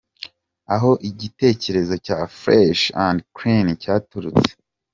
com aho igitekerezo cya ‘Fresh and Clean’ cyaturutse.